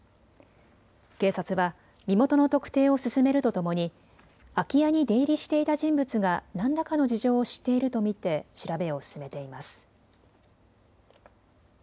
警察は身元の特定を進めるとともに空き家に出入りしていた人物が何らかの事情を知っていると見て調べを進めています。